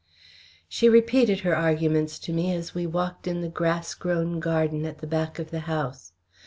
She repeated her arguments to me as we walked in the grass grown garden at the back of the house.